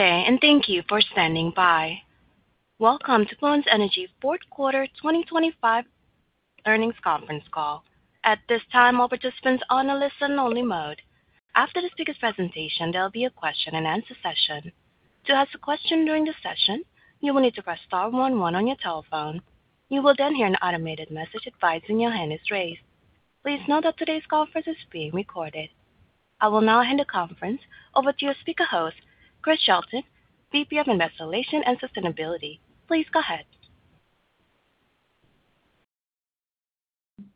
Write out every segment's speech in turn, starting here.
Okay, and thank you for standing by. Welcome to Fluence Energy's Fourth Quarter 2025 Earnings conference call. At this time, all participants are on a listen-only mode. After the speaker's presentation, there will be a Q&A session. To ask a question during the session, you will need to press star 11 on your telephone. You will then hear an automated message advising your hand is raised. Please note that today's conference is being recorded. I will now hand the conference over to your speaker host, Chris Shelton, Vice President of Investor Relations and Sustainability. Please go ahead.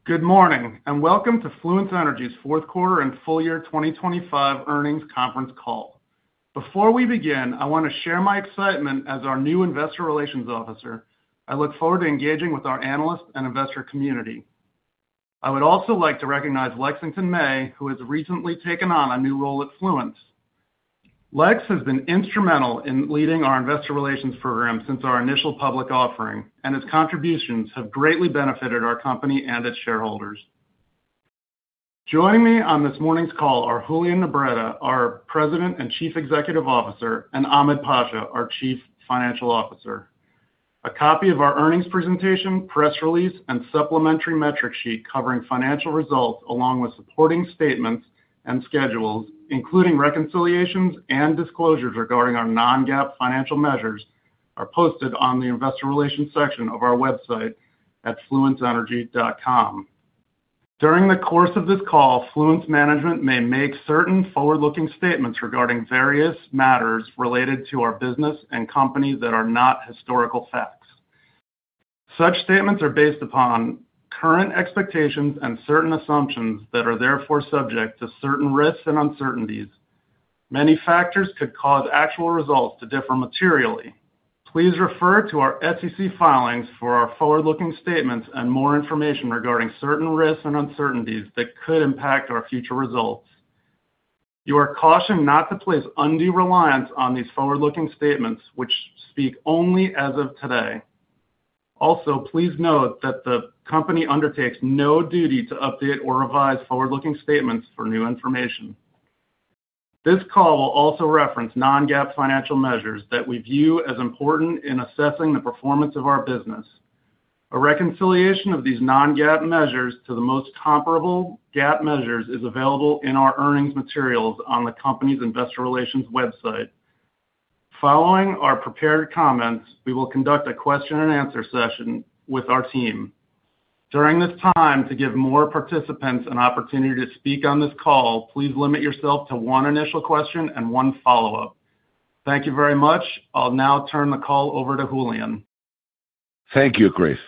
Good morning and welcome to Fluence Energy's Fourth Quarter and Full Year 2025 Earnings conference call. Before we begin, I want to share my excitement as our new Investor Relations Officer. I look forward to engaging with our analyst and investor community. I would also like to recognize Lexington May, who has recently taken on a new role at Fluence. Lex has been instrumental in leading our investor relations program since our initial public offering, and his contributions have greatly benefited our company and its shareholders. Joining me on this morning's call are Julian Nebreda, our President and Chief Executive Officer, and Ahmed Pasha, our Chief Financial Officer. A copy of our earnings presentation, press release, and supplementary metric sheet covering financial results, along with supporting statements and schedules, including reconciliations and disclosures regarding our non-GAAP financial measures, are posted on the investor relations section of our website at fluenceenergy.com. During the course of this call, Fluence Management may make certain forward-looking statements regarding various matters related to our business and company that are not historical facts. Such statements are based upon current expectations and certain assumptions that are therefore subject to certain risks and uncertainties. Many factors could cause actual results to differ materially. Please refer to our SEC filings for our forward-looking statements and more information regarding certain risks and uncertainties that could impact our future results. You are cautioned not to place undue reliance on these forward-looking statements, which speak only as of today. Also, please note that the company undertakes no duty to update or revise forward-looking statements for new information. This call will also reference non-GAAP financial measures that we view as important in assessing the performance of our business. A reconciliation of these non-GAAP measures to the most comparable GAAP measures is available in our earnings materials on the company's investor relations website. Following our prepared comments, we will conduct a Q&A session with our team. During this time, to give more participants an opportunity to speak on this call, please limit yourself to one initial question and one follow-up. Thank you very much. I'll now turn the call over to Julian. Thank you, Chris.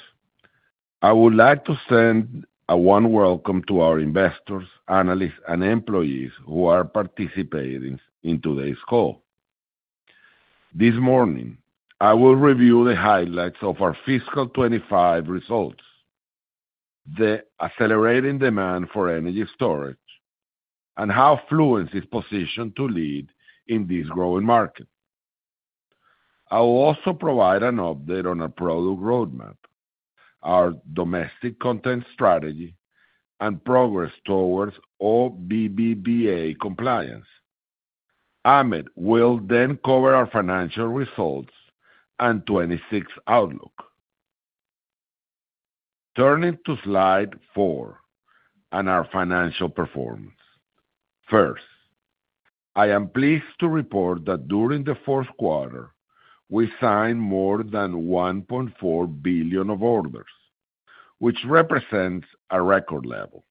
I would like to send a warm welcome to our investors, analysts, and employees who are participating in today's call. This morning, I will review the highlights of our fiscal 2025 results, the accelerating demand for energy storage, and how Fluence Energy is positioned to lead in this growing market. I will also provide an update on our product roadmap, our domestic content strategy, and progress towards OBBA compliance. Ahmed will then cover our financial results and 2026 outlook. Turning to slide four and our financial performance. First, I am pleased to report that during the fourth quarter, we signed more than $1.4 billion of orders, which represents a record level.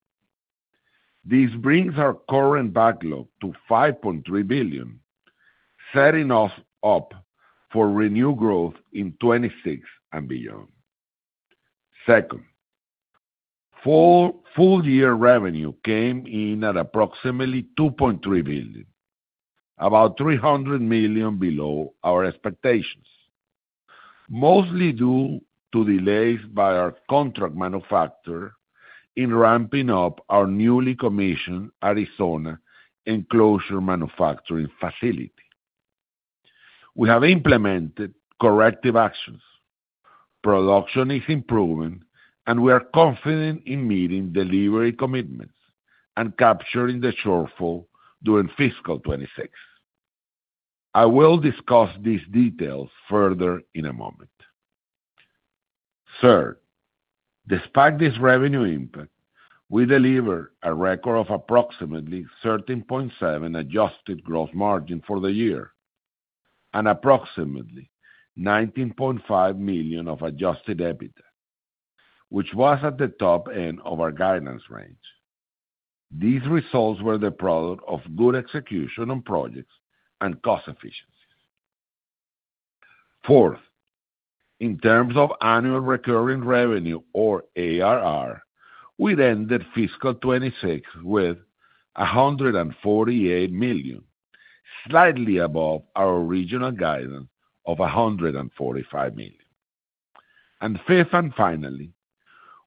This brings our current backlog to $5.3 billion, setting us up for renewed growth in 2026 and beyond. Second, full year revenue came in at approximately $2.3 billion, about $300 million below our expectations, mostly due to delays by our contract manufacturer in ramping up our newly commissioned Arizona enclosure manufacturing facility. We have implemented corrective actions, production is improving, and we are confident in meeting delivery commitments and capturing the shortfall during fiscal 2026. I will discuss these details further in a moment. Third, despite this revenue impact, we deliver a record of approximately 13.7% adjusted gross margin for the year and approximately $19.5 million of adjusted EBITDA, which was at the top end of our guidance range. These results were the product of good execution on projects and cost efficiencies. Fourth, in terms of annual recurring revenue or ARR, we ended fiscal 2026 with $148 million, slightly above our original guidance of $145 million. Fifth and finally,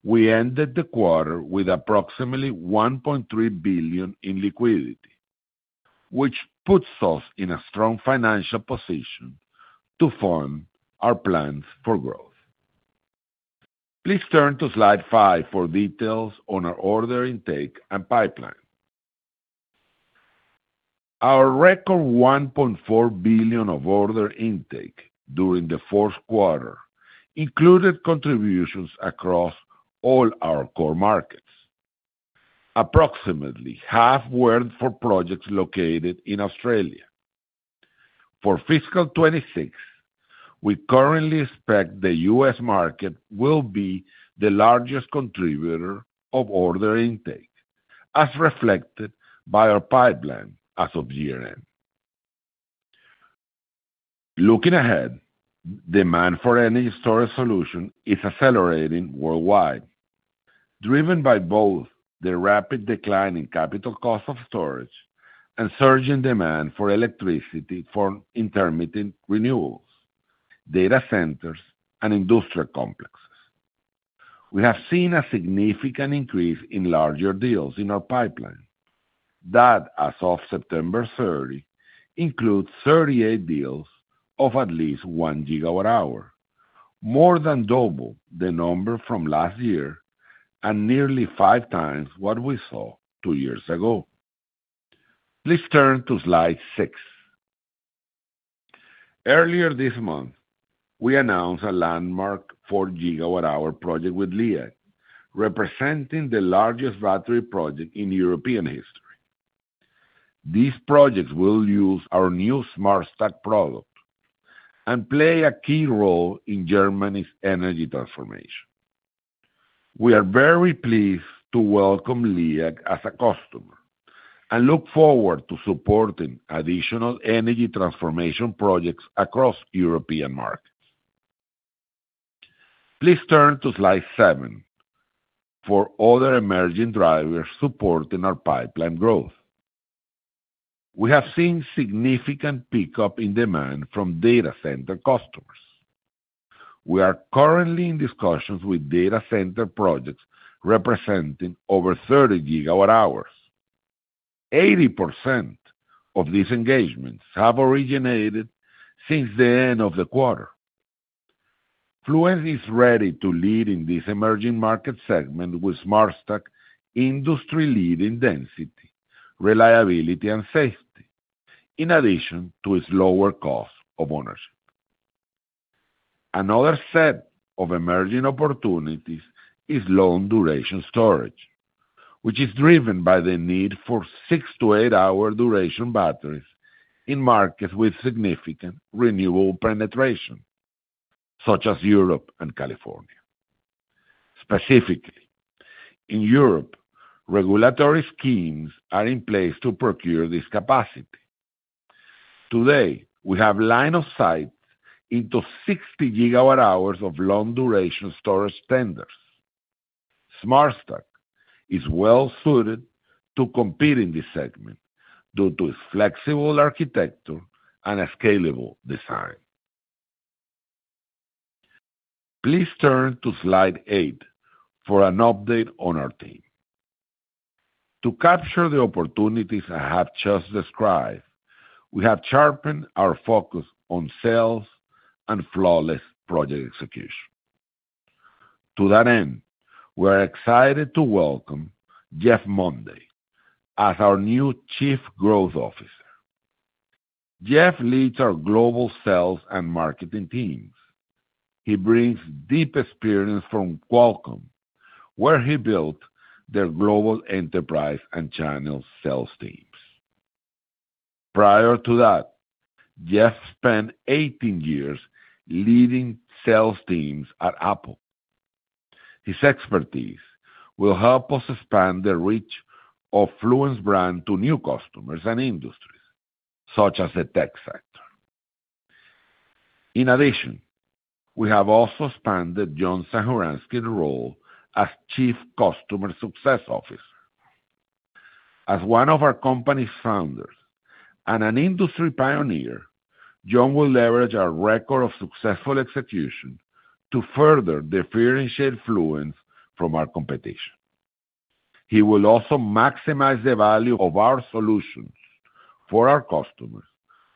we ended the quarter with approximately $1.3 billion in liquidity, which puts us in a strong financial position to fund our plans for growth. Please turn to slide five for details on our order intake and pipeline. Our record $1.4 billion of order intake during the fourth quarter included contributions across all our core markets, approximately half were for projects located in Australia. For fiscal 2026, we currently expect the US market will be the largest contributor of order intake, as reflected by our pipeline as of year end. Looking ahead, demand for energy storage solutions is accelerating worldwide, driven by both the rapid decline in capital cost of storage and surging demand for electricity from intermittent renewables, data centers, and industrial complexes. We have seen a significant increase in larger deals in our pipeline that, as of September 30, includes 38 deals of at least 1 gigawatt hour, more than double the number from last year and nearly five times what we saw two years ago. Please turn to slide six. Earlier this month, we announced a landmark 4 gigawatt hour project with LEED, representing the largest battery project in European history. These projects will use our new SmartStack product and play a key role in Germany's energy transformation. We are very pleased to welcome LEED as a customer and look forward to supporting additional energy transformation projects across European markets. Please turn to slide seven for other emerging drivers supporting our pipeline growth. We have seen significant pickup in demand from data center customers. We are currently in discussions with data center projects representing over 30 gigawatt hours. 80% of these engagements have originated since the end of the quarter. Fluence is ready to lead in this emerging market segment with SmartStack industry lead in density, reliability, and safety, in addition to its lower cost of ownership. Another set of emerging opportunities is long-duration storage, which is driven by the need for six to eight-hour duration batteries in markets with significant renewable penetration, such as Europe and California. Specifically, in Europe, regulatory schemes are in place to procure this capacity. Today, we have line of sight into 60 gigawatt hours of long-duration storage tenders. SmartStack is well suited to compete in this segment due to its flexible architecture and scalable design. Please turn to slide eight for an update on our team. To capture the opportunities I have just described, we have sharpened our focus on sales and flawless project execution. To that end, we are excited to welcome Jeff Monday as our new Chief Growth Officer. Jeff leads our global sales and marketing teams. He brings deep experience from Qualcomm, where he built their global enterprise and channel sales teams. Prior to that, Jeff spent 18 years leading sales teams at Apple. His expertise will help us expand the reach of Fluence brand to new customers and industries, such as the tech sector. In addition, we have also expanded John Sanjoranski's role as Chief Customer Success Officer. As one of our company's founders and an industry pioneer, John will leverage our record of successful execution to further differentiate Fluence from our competition. He will also maximize the value of our solutions for our customers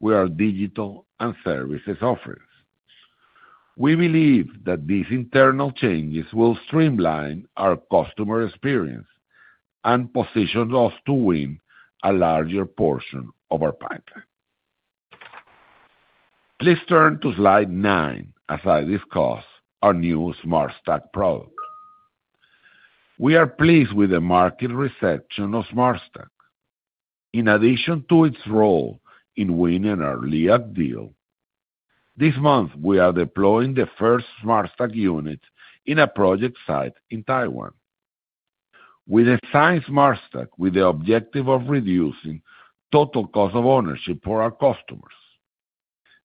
with our digital and services offerings. We believe that these internal changes will streamline our customer experience and position us to win a larger portion of our pipeline. Please turn to slide nine as I discuss our new SmartStack product. We are pleased with the market reception of SmartStack. In addition to its role in winning our LEED deal, this month we are deploying the first SmartStack unit in a project site in Taiwan. We designed SmartStack with the objective of reducing total cost of ownership for our customers.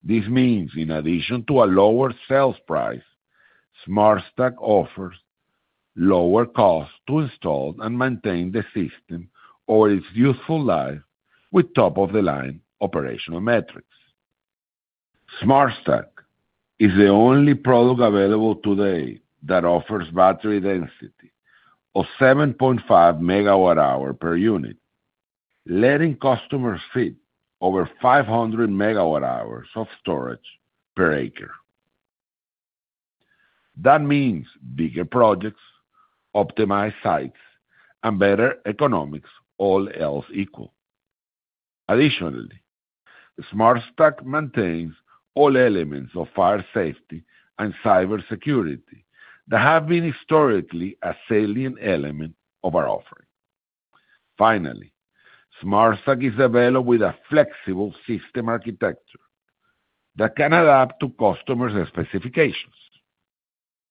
This means in addition to a lower sales price, SmartStack offers lower cost to install and maintain the system over its useful life with top-of-the-line operational metrics. SmartStack is the only product available today that offers battery density of 7.5 megawatt hour per unit, letting customers fit over 500 megawatt hours of storage per acre. That means bigger projects, optimized sites, and better economics, all else equal. Additionally, SmartStack maintains all elements of fire safety and cybersecurity that have been historically a salient element of our offering. Finally, SmartStack is available with a flexible system architecture that can adapt to customers' specifications.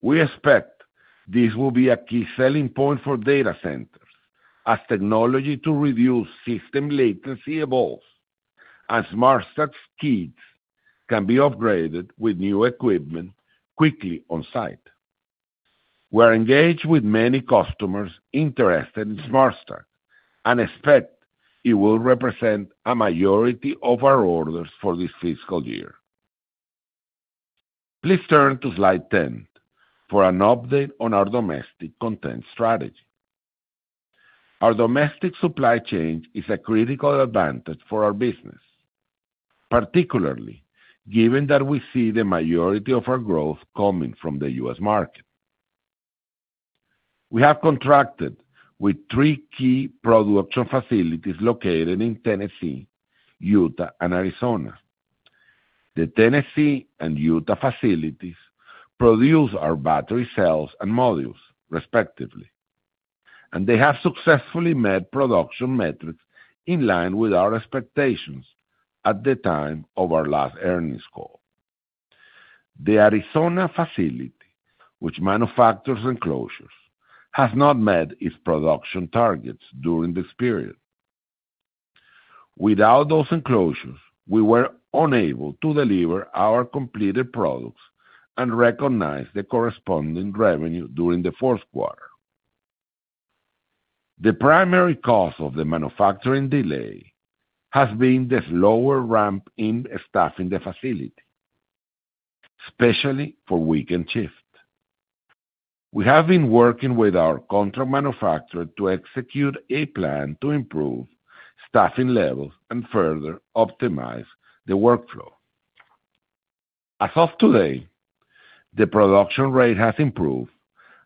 We expect this will be a key selling point for data centers as technology to reduce system latency evolves and SmartStack's kits can be upgraded with new equipment quickly on site. We are engaged with many customers interested in SmartStack and expect it will represent a majority of our orders for this fiscal year. Please turn to slide 10 for an update on our domestic content strategy. Our domestic supply chain is a critical advantage for our business, particularly given that we see the majority of our growth coming from the U.S. market. We have contracted with three key production facilities located in Tennessee, Utah, and Arizona. The Tennessee and Utah facilities produce our battery cells and modules, respectively, and they have successfully met production metrics in line with our expectations at the time of our last earnings call. The Arizona facility, which manufactures enclosures, has not met its production targets during this period. Without those enclosures, we were unable to deliver our completed products and recognize the corresponding revenue during the fourth quarter. The primary cause of the manufacturing delay has been the slower ramp in staffing the facility, especially for weekend shifts. We have been working with our contract manufacturer to execute a plan to improve staffing levels and further optimize the workflow. As of today, the production rate has improved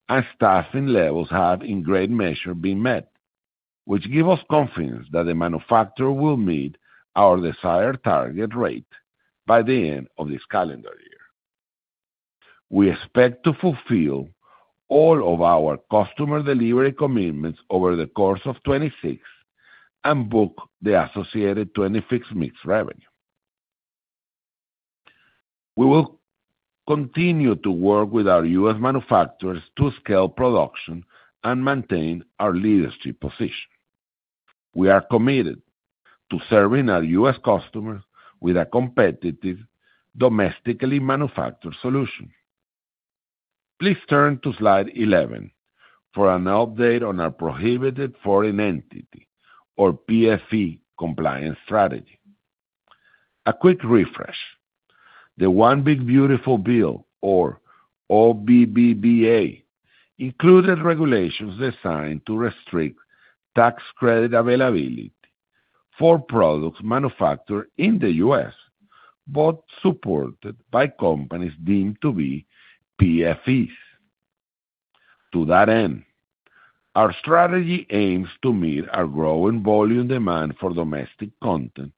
and staffing levels have in great measure been met, which gives us confidence that the manufacturer will meet our desired target rate by the end of this calendar year. We expect to fulfill all of our customer delivery commitments over the course of 2026 and book the associated 2026 mixed revenue. We will continue to work with our US manufacturers to scale production and maintain our leadership position. We are committed to serving our US customers with a competitive domestically manufactured solution. Please turn to slide 11 for an update on our prohibited foreign entity or PFE compliance strategy. A quick refresh. The One Big Beautiful Bill or OBBBA included regulations designed to restrict tax credit availability for products manufactured in the US, but supported by companies deemed to be PFEs. To that end, our strategy aims to meet our growing volume demand for domestic content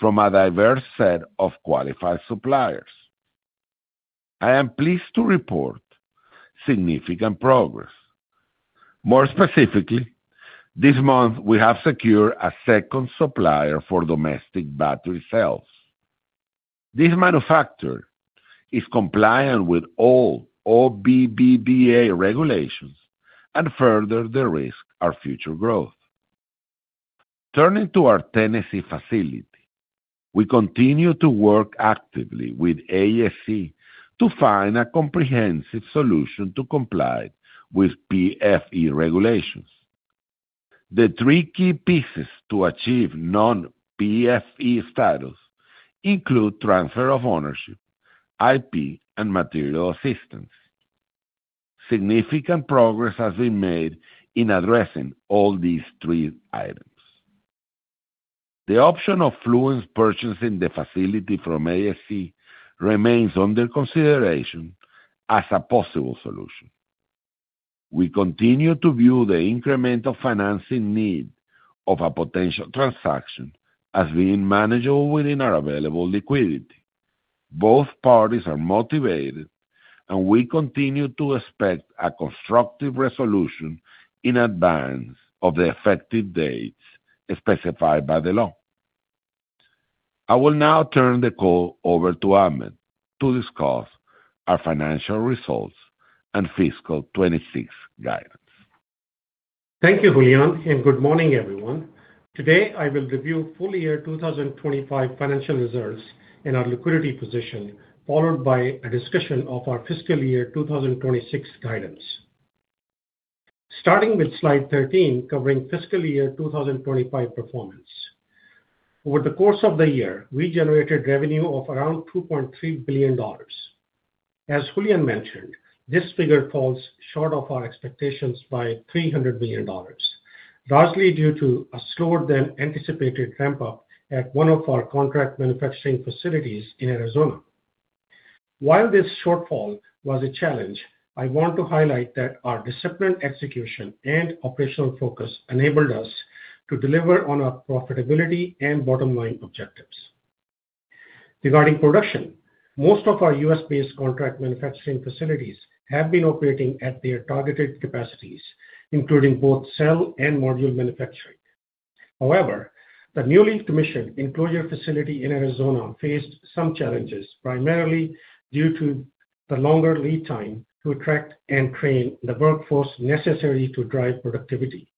from a diverse set of qualified suppliers. I am pleased to report significant progress. More specifically, this month we have secured a second supplier for domestic battery cells. This manufacturer is compliant with all OBBBA regulations and furthered the risk of our future growth. Turning to our Tennessee facility, we continue to work actively with AESC to find a comprehensive solution to comply with PFE regulations. The three key pieces to achieve non-PFE status include transfer of ownership, IP, and material assistance. Significant progress has been made in addressing all these three items. The option of Fluence purchasing the facility from AESC remains under consideration as a possible solution. We continue to view the incremental financing need of a potential transaction as being manageable within our available liquidity. Both parties are motivated, and we continue to expect a constructive resolution in advance of the effective dates specified by the law. I will now turn the call over to Ahmed to discuss our financial results and fiscal 2026 guidance. Thank you, Julian, and good morning, everyone. Today, I will review full year 2025 financial results and our liquidity position, followed by a discussion of our fiscal year 2026 guidance. Starting with slide 13, covering fiscal year 2025 performance. Over the course of the year, we generated revenue of around $2.3 billion. As Julian mentioned, this figure falls short of our expectations by $300 million, largely due to a slower than anticipated ramp-up at one of our contract manufacturing facilities in Arizona. While this shortfall was a challenge, I want to highlight that our disciplined execution and operational focus enabled us to deliver on our profitability and bottom-line objectives. Regarding production, most of our US-based contract manufacturing facilities have been operating at their targeted capacities, including both cell and module manufacturing. However, the newly commissioned enclosure facility in Arizona faced some challenges, primarily due to the longer lead time to attract and train the workforce necessary to drive productivity.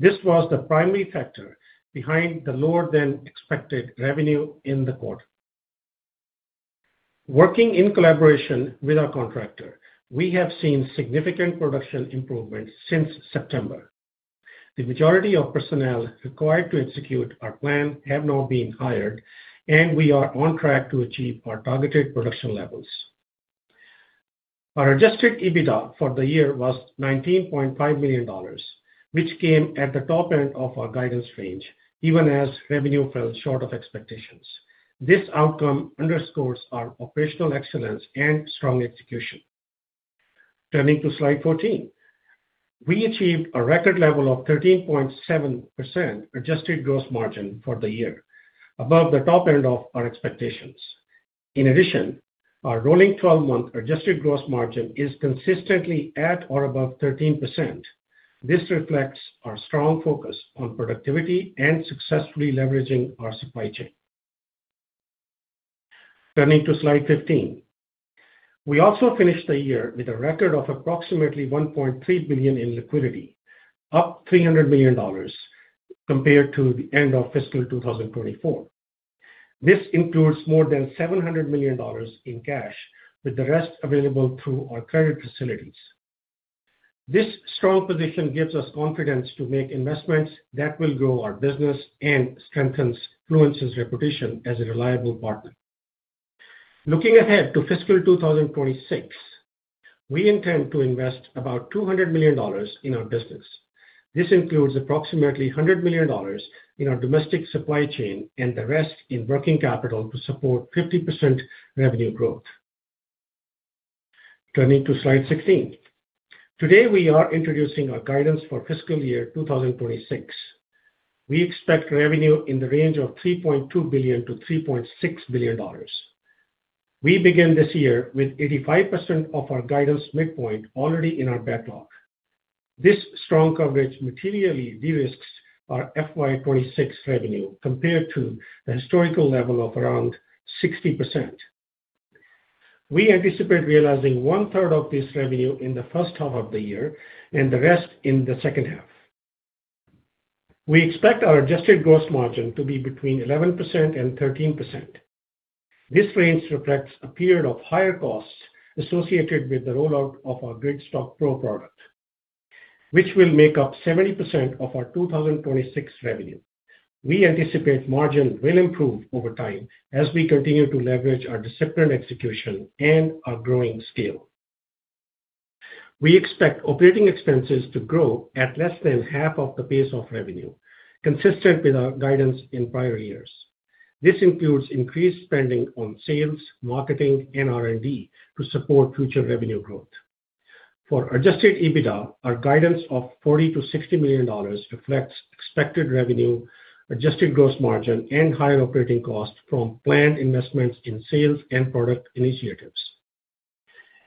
This was the primary factor behind the lower than expected revenue in the quarter. Working in collaboration with our contractor, we have seen significant production improvements since September. The majority of personnel required to execute our plan have now been hired, and we are on track to achieve our targeted production levels. Our adjusted EBITDA for the year was $19.5 million, which came at the top end of our guidance range, even as revenue fell short of expectations. This outcome underscores our operational excellence and strong execution. Turning to slide 14, we achieved a record level of 13.7% adjusted gross margin for the year, above the top end of our expectations. In addition, our rolling 12-month adjusted gross margin is consistently at or above 13%. This reflects our strong focus on productivity and successfully leveraging our supply chain. Turning to slide 15, we also finished the year with a record of approximately $1.3 billion in liquidity, up $300 million compared to the end of fiscal 2024. This includes more than $700 million in cash, with the rest available through our credit facilities. This strong position gives us confidence to make investments that will grow our business and strengthen Fluence's reputation as a reliable partner. Looking ahead to fiscal 2026, we intend to invest about $200 million in our business. This includes approximately $100 million in our domestic supply chain and the rest in working capital to support 50% revenue growth. Turning to slide 16, today we are introducing our guidance for fiscal year 2026. We expect revenue in the range of $3.2 billion-$3.6 billion. We began this year with 85% of our guidance midpoint already in our backlog. This strong coverage materially de-risked our FY26 revenue compared to the historical level of around 60%. We anticipate realizing one-third of this revenue in the first half of the year and the rest in the second half. We expect our adjusted gross margin to be between 11%-13%. This range reflects a period of higher costs associated with the rollout of our Gridstack Pro product, which will make up 70% of our 2026 revenue. We anticipate margin will improve over time as we continue to leverage our disciplined execution and our growing scale. We expect operating expenses to grow at less than half of the pace of revenue, consistent with our guidance in prior years. This includes increased spending on sales, marketing, and R&D to support future revenue growth. For adjusted EBITDA, our guidance of $40-$60 million reflects expected revenue, adjusted gross margin, and higher operating costs from planned investments in sales and product initiatives.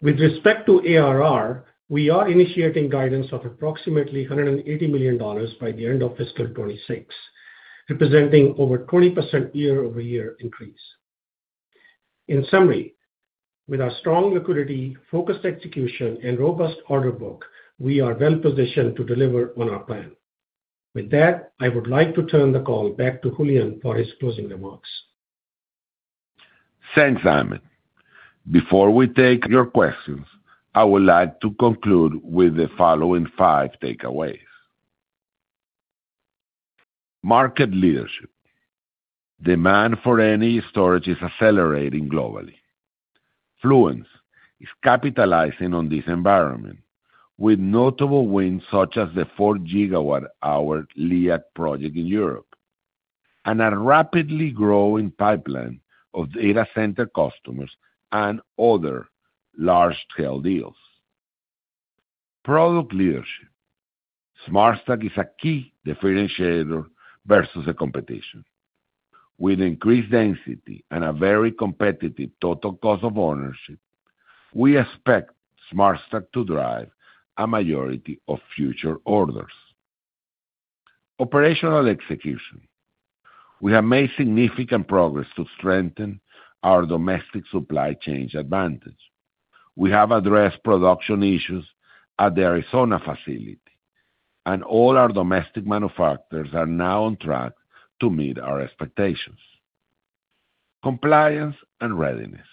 With respect to ARR, we are initiating guidance of approximately $180 million by the end of fiscal 2026, representing over 20% year-over-year increase. In summary, with our strong liquidity, focused execution, and robust order book, we are well-positioned to deliver on our plan. With that, I would like to turn the call back to Julian for his closing remarks. Thanks, Ahmed. Before we take your questions, I would like to conclude with the following five takeaways. Market leadership. Demand for energy storage is accelerating globally. Fluence is capitalizing on this environment with notable wins such as the 4 gigawatt-hour LEED project in Europe and a rapidly growing pipeline of data center customers and other large-scale deals. Product leadership. SmartStack is a key differentiator versus the competition. With increased density and a very competitive total cost of ownership, we expect SmartStack to drive a majority of future orders. Operational execution. We have made significant progress to strengthen our domestic supply chain advantage. We have addressed production issues at the Arizona facility, and all our domestic manufacturers are now on track to meet our expectations. Compliance and readiness.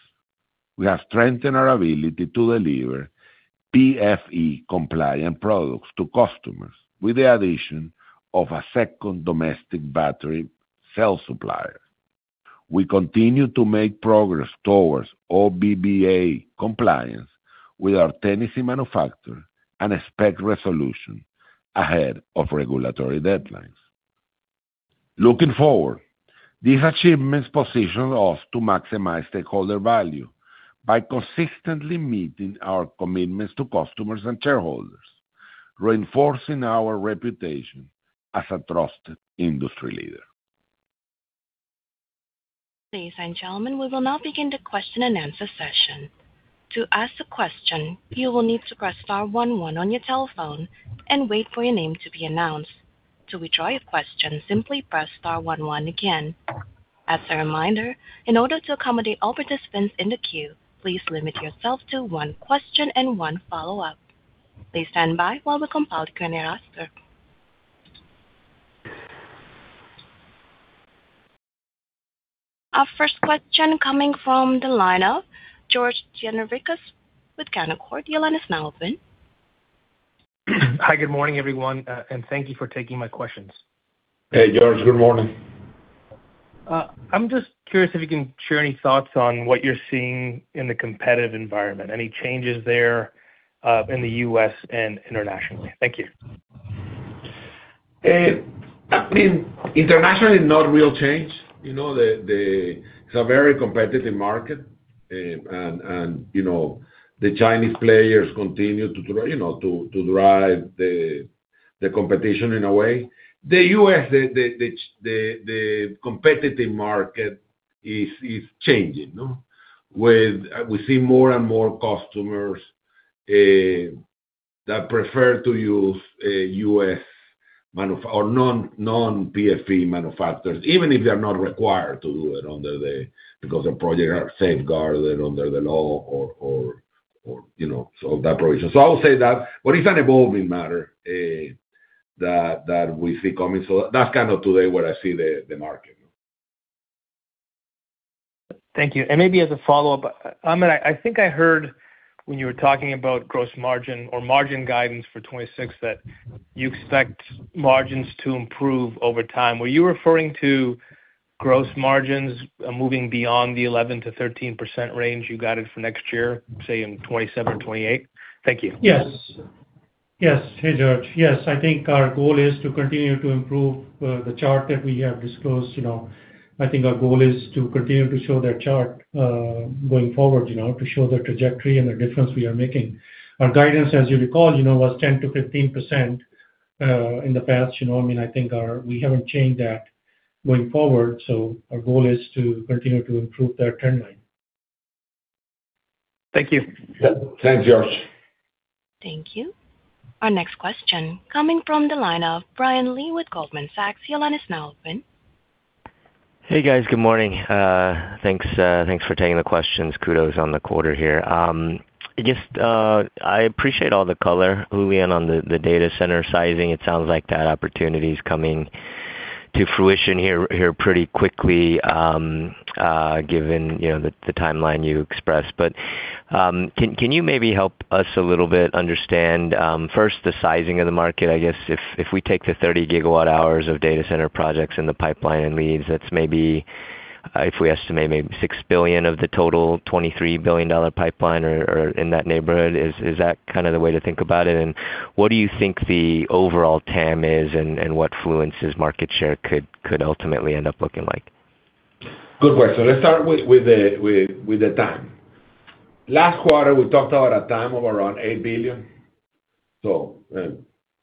We have strengthened our ability to deliver PFE-compliant products to customers with the addition of a second domestic battery cell supplier. We continue to make progress towards OBBBA compliance with our Tennessee manufacturer and expect resolution ahead of regulatory deadlines. Looking forward, these achievements position us to maximize stakeholder value by consistently meeting our commitments to customers and shareholders, reinforcing our reputation as a trusted industry leader. Ladies and gentlemen, we will now begin the Q&A session. To ask a question, you will need to press star 11 on your telephone and wait for your name to be announced. To withdraw your question, simply press star 11 again. As a reminder, in order to accommodate all participants in the queue, please limit yourself to one question and one follow-up. Please stand by while we compile Q&A roster. Our first question coming from the line of George Gianarikas with Canaccord. Your line is now open. Hi, good morning, everyone, and thank you for taking my questions. Hey, George, good morning. I'm just curious if you can share any thoughts on what you're seeing in the competitive environment, any changes there in the U.S. and internationally. Thank you. I mean, internationally, not real change. It's a very competitive market, and the Chinese players continue to drive the competition in a way. The U.S., the competitive market is changing. We see more and more customers that prefer to use U.S. or non-PFE manufacturers, even if they're not required to do it because the projects are safeguarded under the law or that provision. I would say that, but it's an evolving matter that we see coming. That's kind of today where I see the market. Thank you. Maybe as a follow-up, Ahmed, I think I heard when you were talking about gross margin or margin guidance for 2026 that you expect margins to improve over time. Were you referring to gross margins moving beyond the 11-13% range you guided for next year, say, in 2027, 2028? Thank you. Yes. Yes. Hey, George. Yes. I think our goal is to continue to improve the chart that we have disclosed. I think our goal is to continue to show that chart going forward, to show the trajectory and the difference we are making. Our guidance, as you recall, was 10-15% in the past. I mean, I think we have not changed that going forward. So our goal is to continue to improve that trendline. Thank you. Thanks, George. Thank you. Our next question coming from the line of Brian Lee with Goldman Sachs. Your line is now open. Hey, guys. Good morning. Thanks for taking the questions. Kudos on the quarter here. I appreciate all the color, Julian, on the data center sizing. It sounds like that opportunity is coming to fruition here pretty quickly given the timeline you expressed. Can you maybe help us a little bit understand, first, the sizing of the market? I guess if we take the 30 gigawatt-hours of data center projects in the pipeline and leaves, that's maybe, if we estimate, maybe $6 billion of the total $23 billion pipeline or in that neighborhood. Is that kind of the way to think about it? What do you think the overall TAM is and what Fluence's market share could ultimately end up looking like? Good question. Let's start with the TAM. Last quarter, we talked about a TAM of around $8 billion.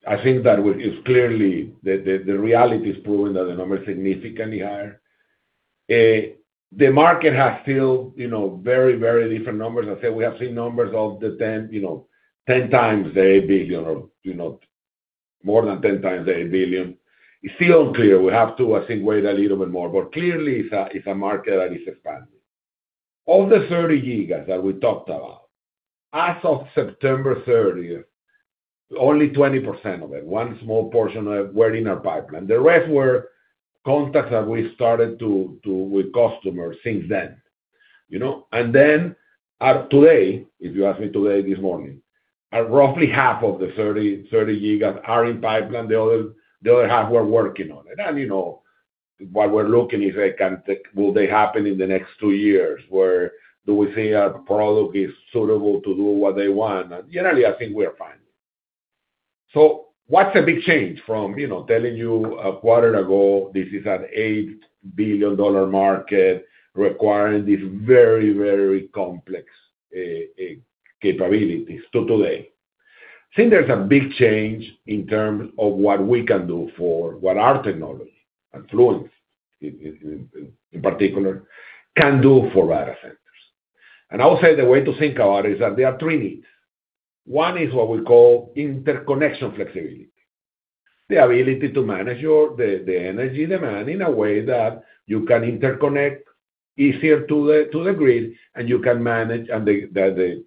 I think that it's clearly the reality is proving that the numbers are significantly higher. The market has still very, very different numbers. I said we have seen numbers of the 10 times the $8 billion or more than 10 times the $8 billion. It's still unclear. We have to, I think, wait a little bit more. Clearly, it's a market that is expanding. Of the 30 gigas that we talked about, as of September 30, only 20% of it, one small portion of it, were in our pipeline. The rest were contacts that we started with customers since then. If you ask me today, this morning, roughly half of the 30 gigas are in pipeline. The other half, we're working on it. What we're looking is, will they happen in the next two years? Do we see our product is suitable to do what they want? Generally, I think we are fine. What's a big change from telling you a quarter ago, this is an $8 billion market requiring these very, very complex capabilities to today? I think there's a big change in terms of what we can do for what our technology and Fluence, in particular, can do for data centers. I would say the way to think about it is that there are three needs. One is what we call interconnection flexibility, the ability to manage the energy demand in a way that you can interconnect easier to the grid, and you can manage, and the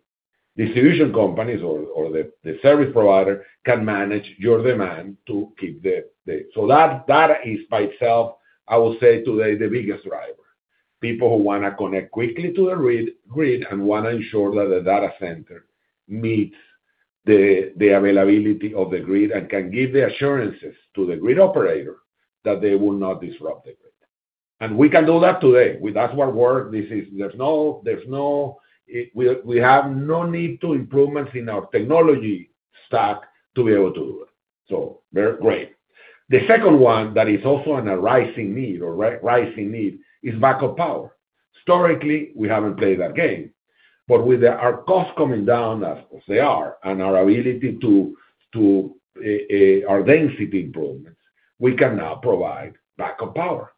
distribution companies or the service provider can manage your demand to keep the so that is, by itself, I would say today, the biggest driver. People who want to connect quickly to the grid and want to ensure that the data center meets the availability of the grid and can give the assurances to the grid operator that they will not disrupt the grid. We can do that today. That is what works. We have no need to improve in our technology stack to be able to do it. The second one that is also a rising need is backup power. Historically, we have not played that game. With our costs coming down as they are and our density improvements, we can now provide backup power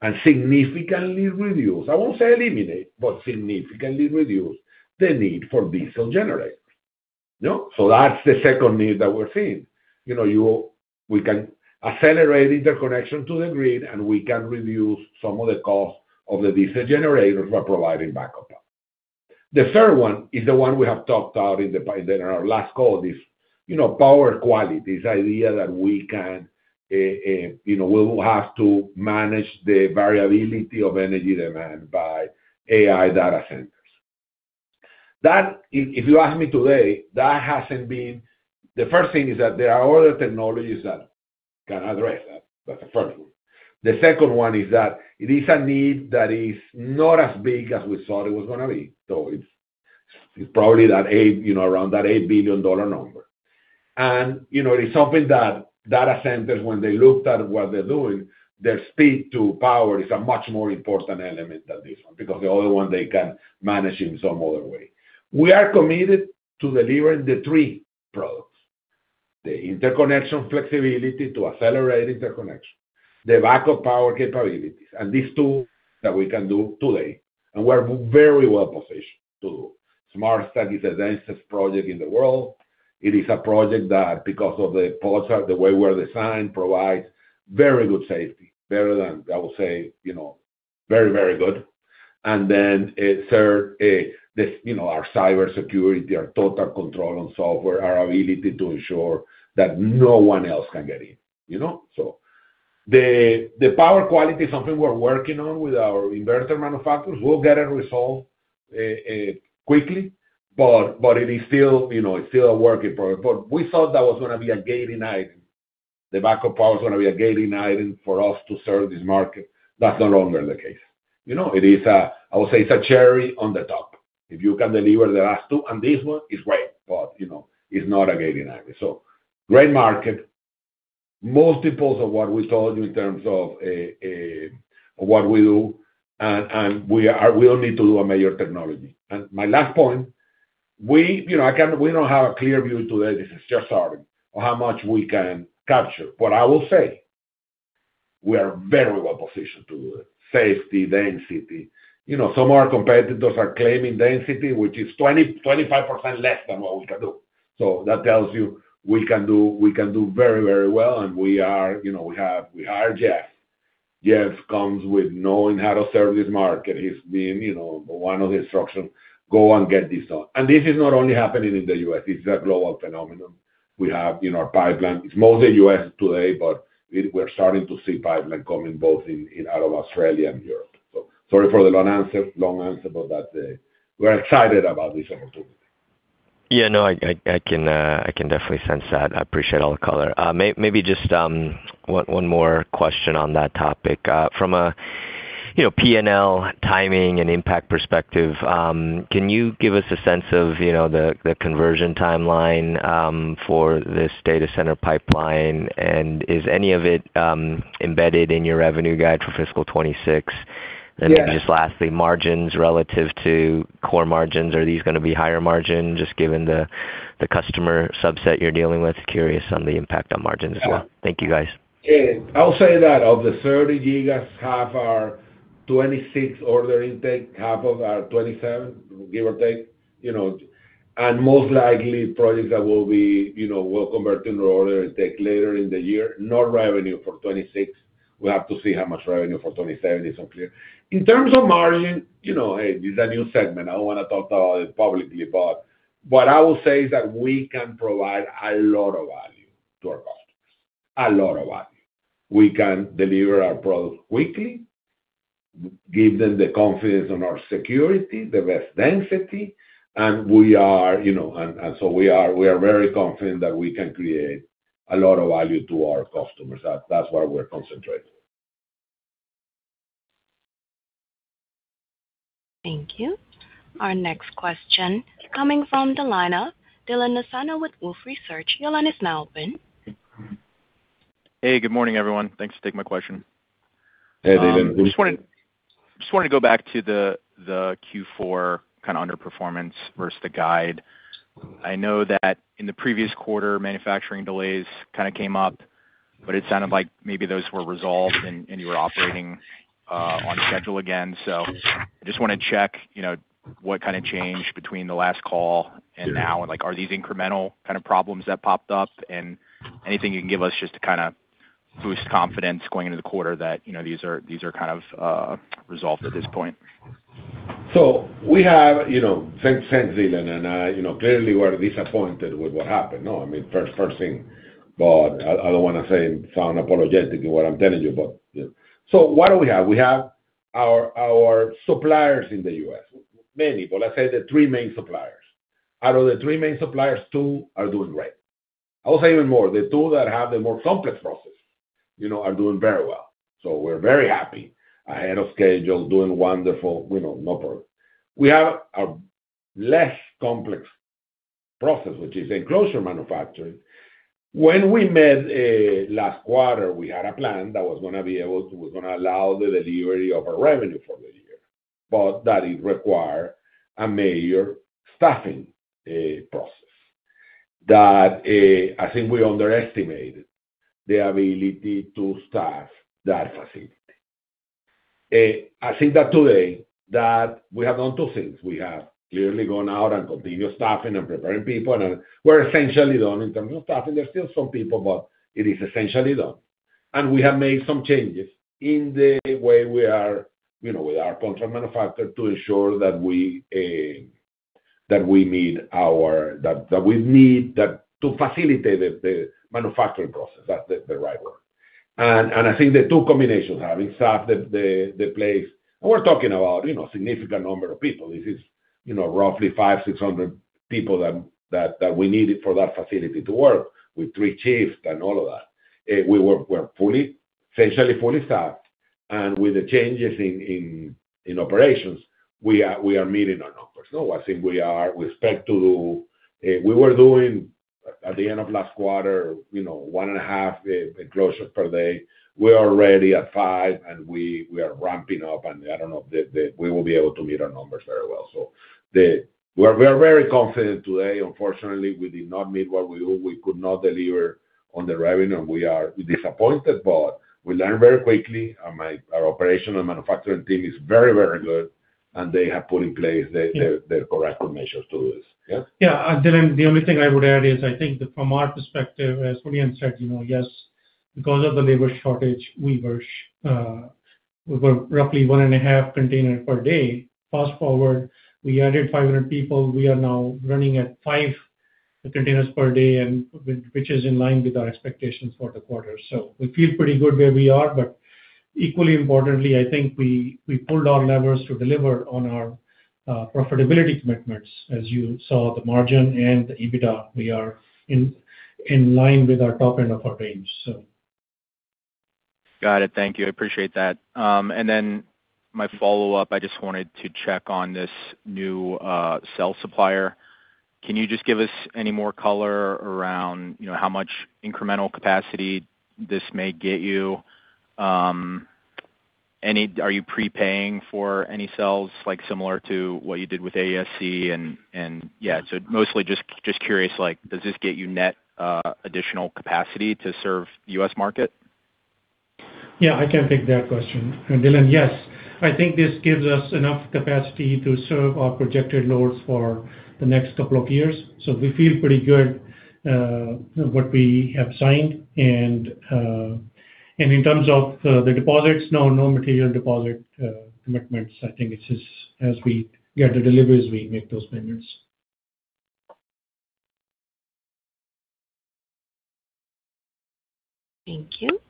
and significantly reduce—I will not say eliminate, but significantly reduce the need for diesel generators. That is the second need that we are seeing. We can accelerate interconnection to the grid, and we can reduce some of the costs of the diesel generators by providing backup power. The third one is the one we have talked about in our last call, this power quality, this idea that we will have to manage the variability of energy demand by AI data centers. If you ask me today, that hasn't been the first thing. There are other technologies that can address that. That's the first one. The second one is that it is a need that is not as big as we thought it was going to be. It's probably around that $8 billion number. It is something that data centers, when they looked at what they're doing, their speed to power is a much more important element than this one because the other one they can manage in some other way. We are committed to delivering the three products: the interconnection flexibility to accelerate interconnection, the backup power capabilities, and these two that we can do today. We are very well-positioned to do. SmartStack is the densest project in the world. It is a project that, because of the pods, the way we're designed, provides very good safety, better than, I would say, very, very good. Third, our cybersecurity, our total control on software, our ability to ensure that no one else can get in. The power quality is something we're working on with our inverter manufacturers. We'll get it resolved quickly, but it is still a work in progress. We thought that was going to be a gating item. The backup power is going to be a gating item for us to serve this market. That is no longer the case. It is, I would say, a cherry on the top. If you can deliver the last two, and this one is great, but it is not a gating item. Great market, multiples of what we told you in terms of what we do, and we do not need to do a major technology. My last point, we do not have a clear view today. This is just starting on how much we can capture. I will say we are very well-positioned to do it. Safety, density. Some of our competitors are claiming density, which is 25% less than what we can do. That tells you we can do very, very well, and we hired Jeff. Jeff comes with knowing how to serve this market. He's been one of the instructions, "Go and get this done." This is not only happening in the U.S. This is a global phenomenon. We have our pipeline. It's mostly U.S. today, but we're starting to see pipeline coming both out of Australia and Europe. Sorry for the long answer, but we're excited about this opportunity. Yeah. No, I can definitely sense that. I appreciate all the color. Maybe just one more question on that topic. From a P&L timing and impact perspective, can you give us a sense of the conversion timeline for this data center pipeline? Is any of it embedded in your revenue guide for fiscal 2026? Just lastly, margins relative to core margins. Are these going to be higher margin just given the customer subset you're dealing with? Curious on the impact on margins as well. Thank you, guys. I will say that of the 30 gigas, half are 2026 order intake, half are 2027, give or take. Most likely, projects that will be will convert to order intake later in the year. No revenue for 2026. We have to see how much revenue for 2027 is unclear. In terms of margin, hey, it's a new segment. I don't want to talk about it publicly, but what I will say is that we can provide a lot of value to our customers. A lot of value. We can deliver our product quickly, give them the confidence on our security, the best density. We are very confident that we can create a lot of value to our customers. That's what we're concentrating on. Thank you. Our next question coming from the line of Dylan Nassano with Wolfe Research. Your line is now open. Hey, good morning, everyone. Thanks for taking my question. Hey, Dylan. I just wanted to go back to the Q4 kind of underperformance versus the guide. I know that in the previous quarter, manufacturing delays kind of came up, but it sounded like maybe those were resolved and you were operating on schedule again. I just want to check what kind of changed between the last call and now. Are these incremental kind of problems that popped up? Anything you can give us just to kind of boost confidence going into the quarter that these are kind of resolved at this point? We have, thanks, Dylan. Clearly, we're disappointed with what happened. I mean, first thing, I don't want to sound apologetic in what I'm telling you, but what do we have? We have our suppliers in the US, many, but let's say the three main suppliers. Out of the three main suppliers, two are doing great. I will say even more, the two that have the more complex process are doing very well. We are very happy, ahead of schedule, doing wonderful, no problem. We have a less complex process, which is enclosure manufacturing. When we met last quarter, we had a plan that was going to allow the delivery of our revenue for the year, but it required a major staffing process. I think we underestimated the ability to staff that facility. I think that today, we have done two things. We have clearly gone out and continued staffing and preparing people. We are essentially done in terms of staffing. There are still some people, but it is essentially done. We have made some changes in the way we are with our contract manufacturer to ensure that we meet our, that we need to facilitate the manufacturing process. That is the right word. I think the two combinations, having staffed the place and we are talking about a significant number of people. This is roughly 5,600 people that we needed for that facility to work with three chiefs and all of that. We were fully, essentially fully staffed. With the changes in operations, we are meeting our numbers. I think we expect to do, we were doing at the end of last quarter, one and a half enclosures per day. We are already at five, and we are ramping up. I don't know if we will be able to meet our numbers very well. We are very confident today. Unfortunately, we did not meet what we could not deliver on the revenue. We are disappointed, but we learned very quickly. Our operational manufacturing team is very, very good, and they have put in place the correct measures to do this. Yeah. Yeah. Dylan, the only thing I would add is I think that from our perspective, as Julian said, yes, because of the labor shortage, we were roughly one and a half containers per day. Fast forward, we added 500 people. We are now running at five containers per day, which is in line with our expectations for the quarter. We feel pretty good where we are. Equally importantly, I think we pulled our levers to deliver on our profitability commitments. As you saw, the margin and the EBITDA, we are in line with our top end of our range. Got it. Thank you. I appreciate that. My follow-up, I just wanted to check on this new cell supplier. Can you just give us any more color around how much incremental capacity this may get you? Are you prepaying for any cells similar to what you did with AESC? Mostly just curious, does this get you net additional capacity to serve the US market? I can take that question. Dylan, yes. I think this gives us enough capacity to serve our projected loads for the next couple of years. We feel pretty good what we have signed. In terms of the deposits, no material deposit commitments. I think it's just as we get the deliveries, we make those payments. Thank you.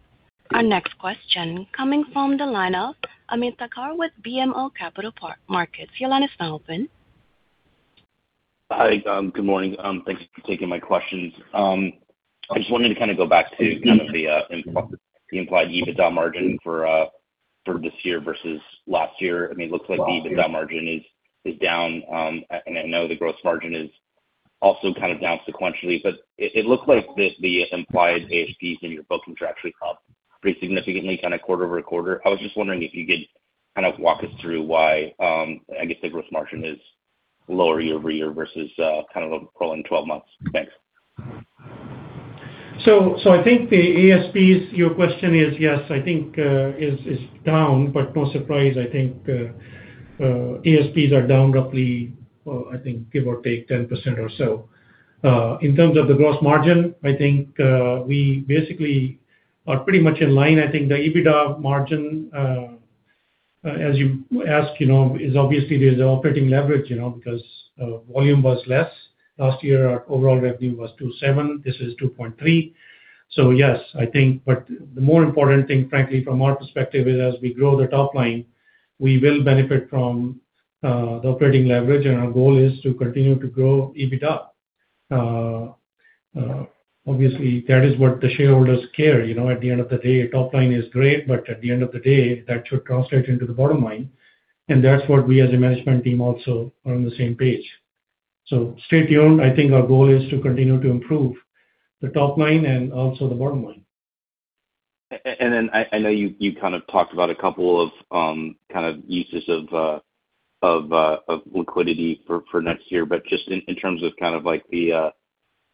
Our next question coming from the line of Ameet Thakkar with BMO Capital Markets. Your line is now open. Hi. Good morning. Thank you for taking my questions. I just wanted to kind of go back to kind of the implied EBITDA margin for this year versus last year. I mean, it looks like the EBITDA margin is down. I know the gross margin is also kind of down sequentially. It looked like the implied ASPs in your bookings are actually up pretty significantly kind of quarter over quarter. I was just wondering if you could kind of walk us through why, I guess, the gross margin is lower year over year versus kind of rolling 12 months. Thanks. I think the ASPs, your question is, yes, I think is down, but no surprise. I think ASPs are down roughly, I think, give or take 10% or so. In terms of the gross margin, I think we basically are pretty much in line. I think the EBITDA margin, as you asked, is obviously there's an operating leverage because volume was less. Last year, our overall revenue was $2.7 billion. This is $2.3 billion. Yes, I think. The more important thing, frankly, from our perspective is as we grow the top line, we will benefit from the operating leverage. Our goal is to continue to grow EBITDA. Obviously, that is what the shareholders care. At the end of the day, top line is great, but at the end of the day, that should translate into the bottom line. That is what we as a management team also are on the same page. Stay tuned. I think our goal is to continue to improve the top line and also the bottom line. I know you kind of talked about a couple of kind of uses of liquidity for next year, but just in terms of kind of the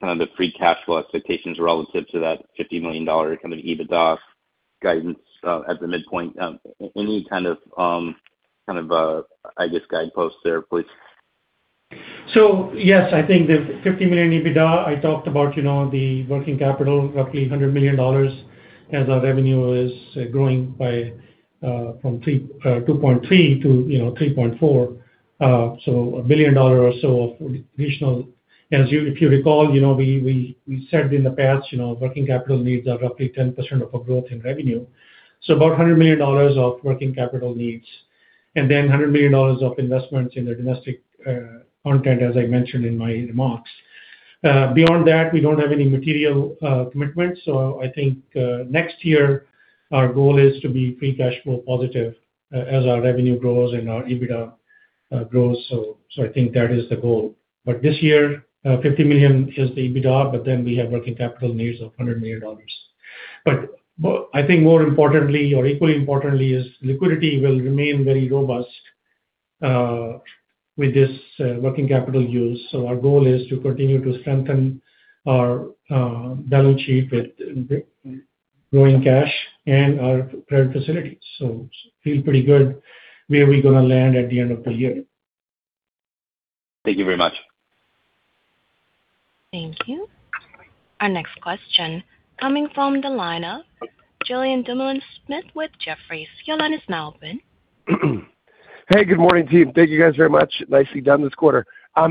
kind of the free cash flow expectations relative to that $50 million kind of EBITDA guidance at the midpoint. Any kind of, I guess, guideposts there, please? Yes, I think the $50 million EBITDA, I talked about the working capital, roughly $100 million as our revenue is growing from $2.3 billion to $3.4 billion. A billion dollar or so of additional, as if you recall, we said in the past, working capital needs are roughly 10% of our growth in revenue. So about $100 million of working capital needs. $100 million of investments in the domestic content, as I mentioned in my remarks. Beyond that, we do not have any material commitments. I think next year, our goal is to be free cash flow positive as our revenue grows and our EBITDA grows. I think that is the goal. This year, $50 million is the EBITDA, but then we have working capital needs of $100 million. More importantly, or equally importantly, liquidity will remain very robust with this working capital use. Our goal is to continue to strengthen our balance sheet with growing cash and our credit facilities. I feel pretty good where we are going to land at the end of the year. Thank you very much. Thank you. Our next question coming from the line of Julien Dumoulin-Smith with Jefferies. Yolanda, it is now open. Hey, good morning, team. Thank you guys very much. Nicely done this quarter.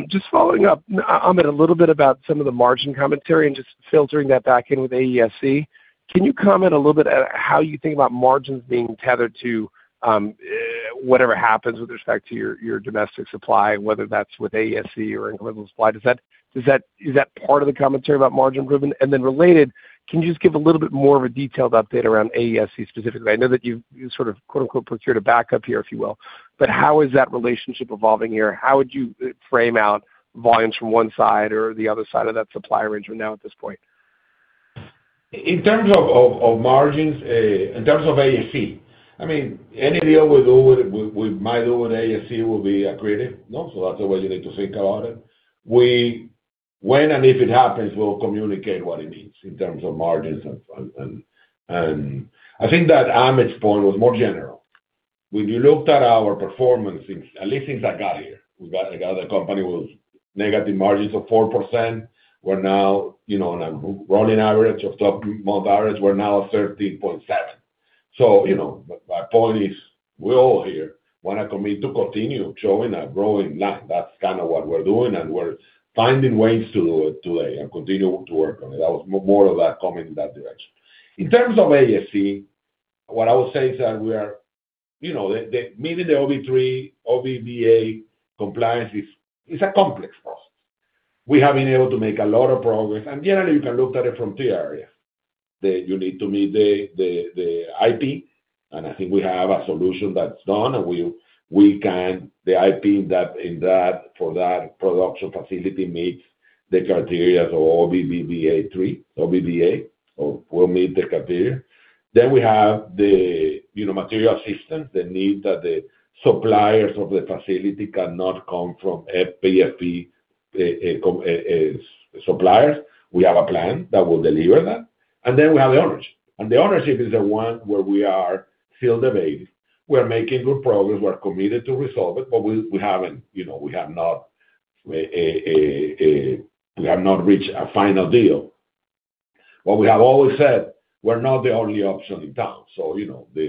Just following up, I'm in a little bit about some of the margin commentary and just filtering that back in with AESC. Can you comment a little bit on how you think about margins being tethered to whatever happens with respect to your domestic supply, whether that's with AESC or incremental supply? Is that part of the commentary about margin improvement? Related, can you just give a little bit more of a detailed update around AESC specifically? I know that you sort of "procured a backup here," if you will. How is that relationship evolving here? How would you frame out volumes from one side or the other side of that supply arrangement now at this point? In terms of margins, in terms of AESC, I mean, any deal we might do with AESC will be aggregative. That is the way you need to think about it. When and if it happens, we will communicate what it means in terms of margins. I think that Ameet's point was more general. When you looked at our performance, at least since I got here, we got a company with negative margins of 4%. We are now on a rolling average of month average. We are now at 13.7%. My point is we all here want to commit to continue showing a growing line. That is kind of what we are doing. We are finding ways to do it today and continue to work on it. That was more of that coming in that direction. In terms of AESC, what I will say is that we are meeting the OBBA compliance is a complex process. We have been able to make a lot of progress. Generally, you can look at it from three areas. You need to meet the IP. I think we have a solution that's done. The IP for that production facility meets the criteria of OBBA, or will meet the criteria. We have the material assistance, the need that the suppliers of the facility cannot come from PFE suppliers. We have a plan that will deliver that. We have the ownership. The ownership is the one where we are still debating. We are making good progress. We are committed to resolve it, but we have not reached a final deal. We have always said we're not the only option in town.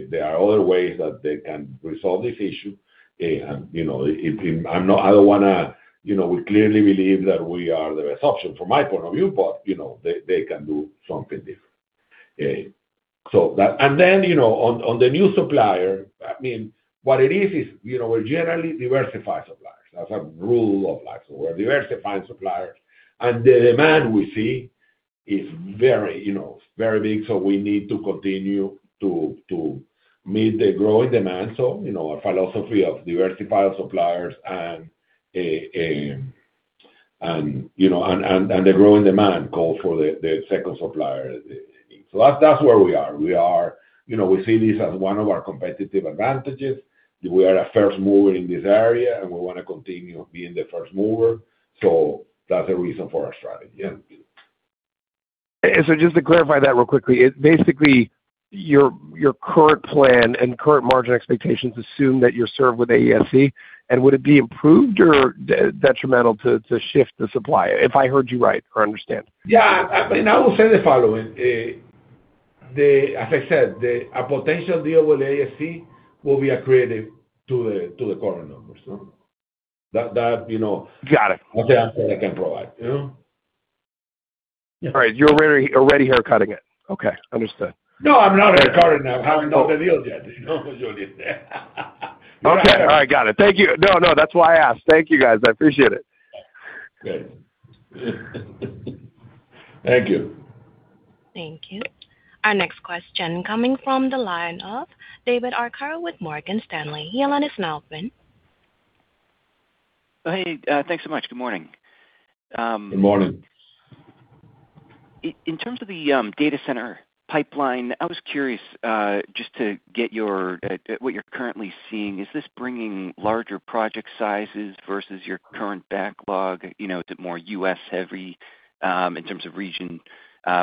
There are other ways that they can resolve this issue. I don't want to—we clearly believe that we are the best option from my point of view, but they can do something different. On the new supplier, I mean, what it is is we're generally diversified suppliers. That's a rule of life. We're diversified suppliers, and the demand we see is very big. We need to continue to meet the growing demand. Our philosophy of diversified suppliers and the growing demand call for the second supplier. That is where we are. We see this as one of our competitive advantages. We are a first mover in this area, and we want to continue being the first mover. That is the reason for our strategy. Just to clarify that real quickly, basically, your current plan and current margin expectations assume that you're served with AESC. Would it be improved or detrimental to shift the supply if I heard you right or understand? Yeah. I will say the following. As I said, a potential deal with AESC will be aggregative to the current numbers. That's the answer I can provide. All right. You're already haircutting it. Okay. Understood. No, I'm not haircutting. I'm having no deal yet, Julian. Okay. All right. Got it. Thank you. No, no. That's why I asked. Thank you, guys. I appreciate it. Thank you. Thank you. Our next question coming from the line of David Arcaro with Morgan Stanley. Your line is now open. Hey. Thanks so much. Good morning. Good morning. In terms of the data center pipeline, I was curious just to get what you're currently seeing. Is this bringing larger project sizes versus your current backlog? Is it more US-heavy in terms of region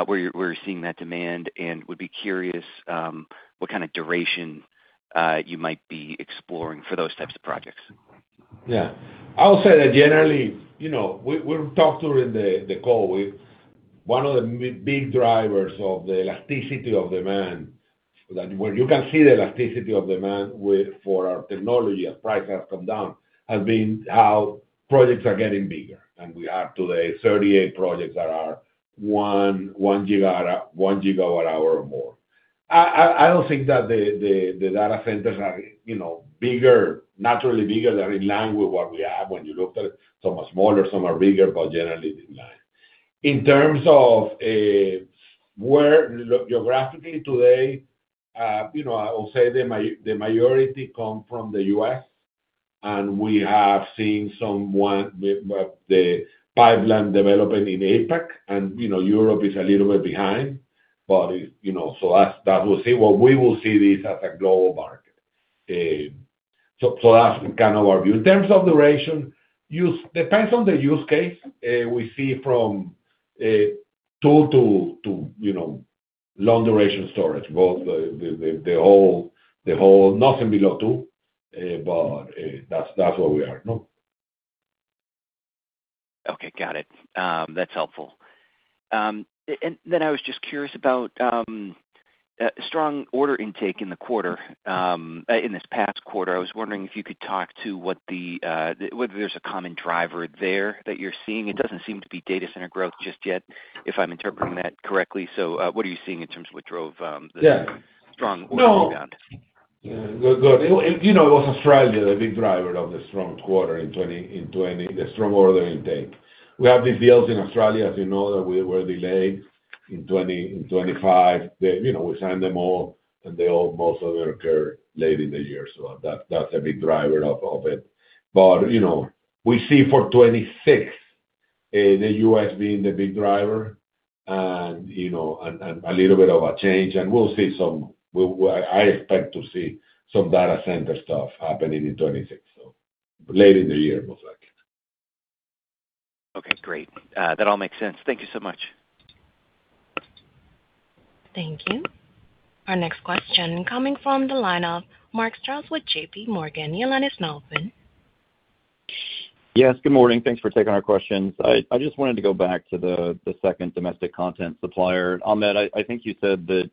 where you're seeing that demand? I would be curious what kind of duration you might be exploring for those types of projects. Yeah. I will say that generally, we've talked during the call. One of the big drivers of the elasticity of demand, where you can see the elasticity of demand for our technology as prices have come down, has been how projects are getting bigger. We have today 38 projects that are 1 gigawatt hour or more. I don't think that the data centers are bigger, naturally bigger, they're in line with what we have when you looked at it. Some are smaller, some are bigger, but generally in line. In terms of where geographically today, I will say the majority come from the US. We have seen some with the pipeline developing in APEC. Europe is a little bit behind. That will see what we will see this as a global market. That is kind of our view. In terms of duration, depends on the use case. We see from two to long-duration storage, both, nothing below two. That is where we are. Okay. Got it. That is helpful. I was just curious about strong order intake in this past quarter. I was wondering if you could talk to whether there is a common driver there that you are seeing. It does not seem to be data center growth just yet, if I am interpreting that correctly. What are you seeing in terms of what drove the strong order rebound? Good. It was Australia, the big driver of the strong quarter in the strong order intake. We have these deals in Australia, as you know, that were delayed in 2025. We signed them all, and most of them occurred late in the year. That is a big driver of it. We see for 2026, the U.S. being the big driver and a little bit of a change. We will see some, I expect to see some data center stuff happening in 2026, late in the year, most likely. Okay. Great. That all makes sense. Thank you so much. Thank you. Our next question coming from the line of Mark Strouse with JPMorgan. Your line is now open. Yes. Good morning. Thanks for taking our questions. I just wanted to go back to the second domestic content supplier. On that, I think you said that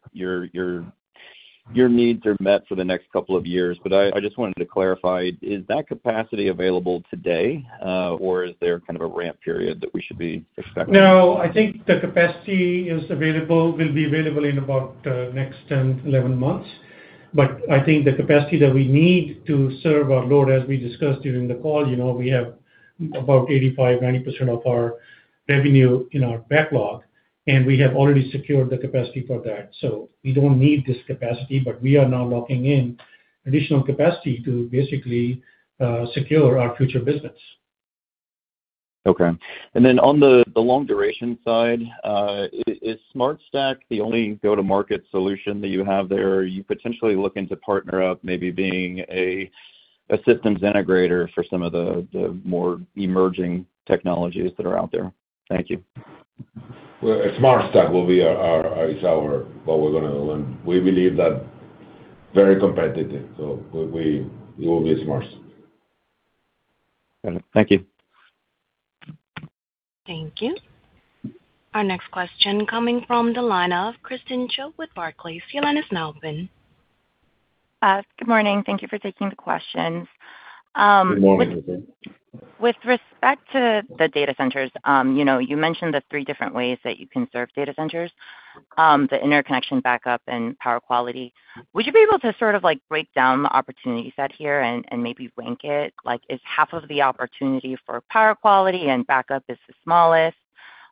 your needs are met for the next couple of years. I just wanted to clarify, is that capacity available today, or is there kind of a ramp period that we should be expecting? No, I think the capacity will be available in about the next 10-11 months. I think the capacity that we need to serve our load, as we discussed during the call, we have about 85-90% of our revenue in our backlog. We have already secured the capacity for that. We do not need this capacity, but we are now locking in additional capacity to basically secure our future business. Okay. On the long-duration side, is SmartStack the only go-to-market solution that you have there? Are you potentially looking to partner up, maybe being a systems integrator for some of the more emerging technologies that are out there? Thank you. SmartStack will be our what we're going to learn. We believe that very competitive. So it will be SmartStack. Got it. Thank you. Thank you. Our next question coming from the line of Christine Cho with Barclays. Your line is now open. Good morning. Thank you for taking the questions. Good morning, Ms. Smith. With respect to the data centers, you mentioned the three different ways that you can serve data centers, the interconnection, backup, and power quality. Would you be able to sort of break down the opportunity set here and maybe rank it? Is half of the opportunity for power quality and backup is the smallest?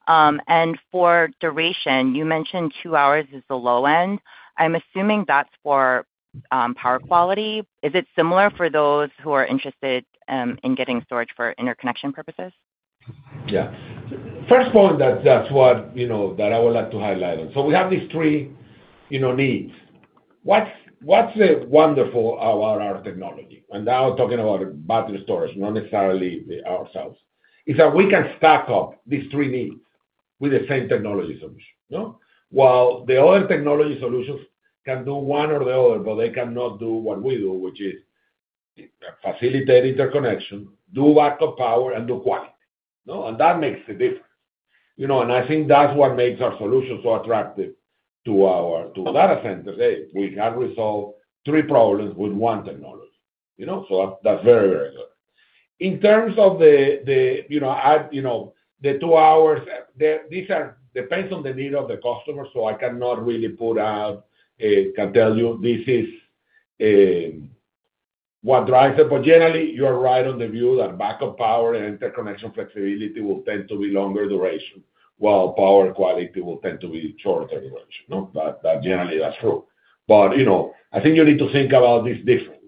And for duration, you mentioned two hours is the low end. I'm assuming that's for power quality. Is it similar for those who are interested in getting storage for interconnection purposes? Yeah. First of all, that's what I would like to highlight. We have these three needs. What's wonderful about our technology, and now talking about battery storage, not necessarily ourselves, is that we can stack up these three needs with the same technology solution. While the other technology solutions can do one or the other, they cannot do what we do, which is facilitate interconnection, do backup power, and do quality. That makes the difference. I think that's what makes our solution so attractive to our data centers. We can resolve three problems with one technology. That's very, very good. In terms of the add the two hours, this depends on the need of the customer. I cannot really put out, can tell you this is what drives it. Generally, you are right on the view that backup power and interconnection flexibility will tend to be longer duration, while power quality will tend to be shorter duration. Generally, that's true. I think you need to think about this differently.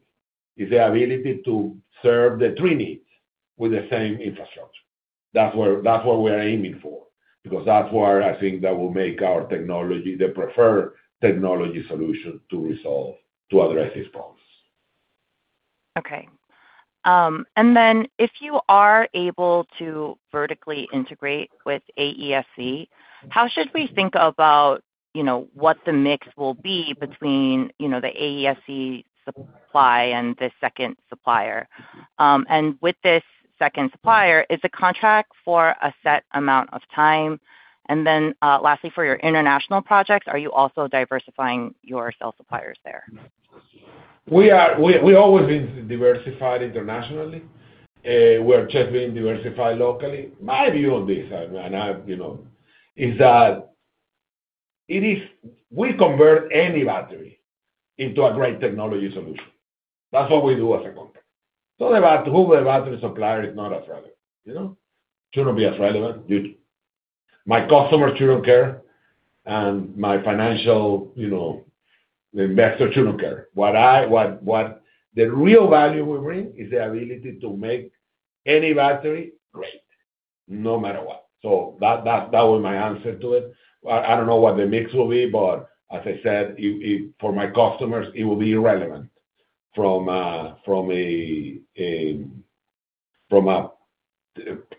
It's the ability to serve the three needs with the same infrastructure. That's what we are aiming for because I think that will make our technology the preferred technology solution to resolve, to address these problems. Okay. If you are able to vertically integrate with AESC, how should we think about what the mix will be between the AESC supply and the second supplier? With this second supplier, is the contract for a set amount of time? Lastly, for your international projects, are you also diversifying your sales suppliers there? We always diversified internationally. We are just being diversified locally. My view on this, and I, is that we convert any battery into a great technology solution. That's what we do as a company. Talking about who the battery supplier is not as relevant. Shouldn't be as relevant. My customers shouldn't care. And my financial investor shouldn't care. The real value we bring is the ability to make any battery great, no matter what. That was my answer to it. I don't know what the mix will be, but as I said, for my customers, it will be irrelevant from a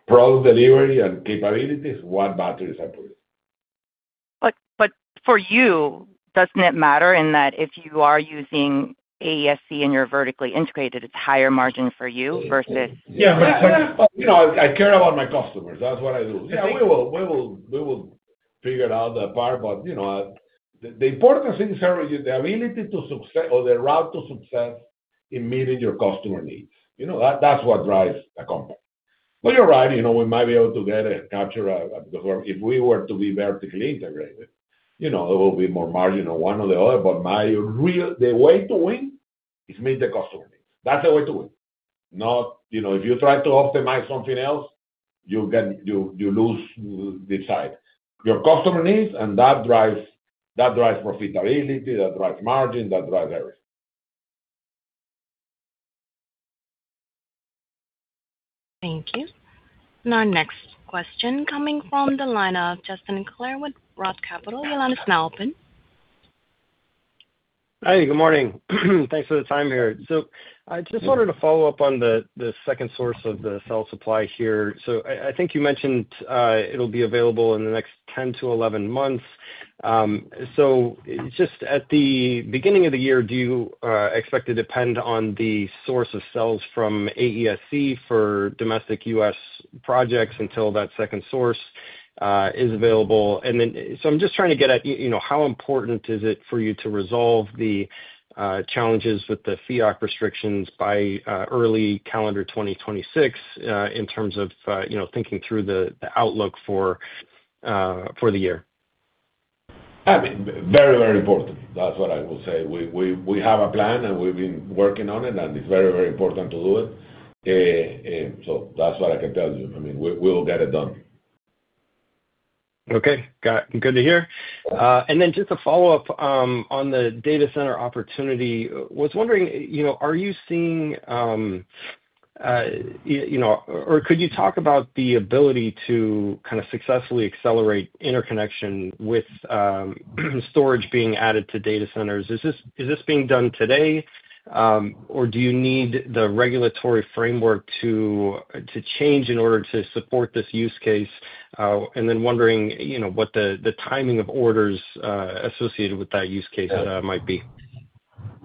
product delivery and capabilities, what batteries I put in. For you, doesn't it matter in that if you are using AESC and you're vertically integrated, it's higher margin for you versus? Yeah. I care about my customers. That's what I do. Yeah. We will figure out that part. The important thing is the ability to or the route to success in meeting your customer needs. That's what drives the company. You're right. We might be able to get a capture because if we were to be vertically integrated, there will be more margin on one or the other. The way to win is meet the customer needs. That's the way to win. If you try to optimize something else, you lose this side. Your customer needs, and that drives profitability, that drives margin, that drives everything. Thank you. Our next question coming from the line of Justin Clare with ROTH Capital Partners. Your line is now open. Hey. Good morning. Thanks for the time here. I just wanted to follow up on the second source of the sales supply here. I think you mentioned it'll be available in the next 10-11 months. Just at the beginning of the year, do you expect to depend on the source of sales from AESC for domestic US projects until that second source is available? I am just trying to get at how important is it for you to resolve the challenges with the FEOC restrictions by early calendar 2026 in terms of thinking through the outlook for the year. Very, very important. That is what I will say. We have a plan, and we have been working on it, and it is very, very important to do it. That is what I can tell you. I mean, we will get it done. Good to hear. Just a follow-up on the data center opportunity. I was wondering, are you seeing or could you talk about the ability to kind of successfully accelerate interconnection with storage being added to data centers? Is this being done today, or do you need the regulatory framework to change in order to support this use case? And then wondering what the timing of orders associated with that use case might be.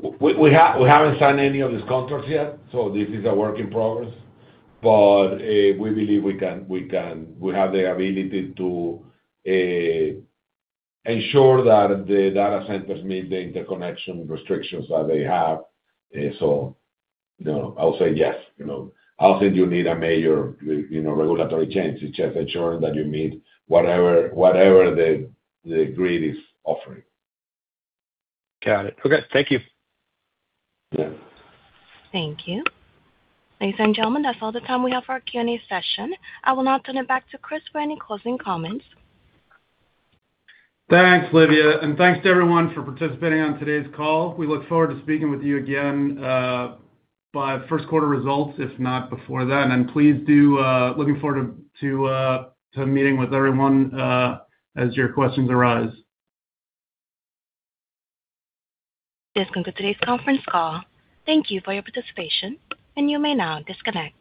We have not signed any of these contracts yet. This is a work in progress. We believe we have the ability to ensure that the data centers meet the interconnection restrictions that they have. I will say yes. I do not think you need a major regulatory change. It is just ensuring that you meet whatever the grid is offering. Got it. Okay. Thank you. Thank you. Ladies and gentlemen, that is all the time we have for our Q&A session. I will now turn it back to Chris for any closing comments. Thanks, Livia. Thanks to everyone for participating on today's call. We look forward to speaking with you again by first quarter results, if not before then. Please do look forward to meeting with everyone as your questions arise. This concludes today's conference call. Thank you for your participation. You may now disconnect.